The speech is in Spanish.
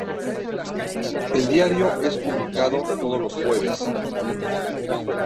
El diario es publicado todos los jueves.